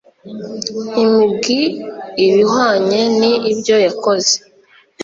img ibihwanye n ibyo yakoze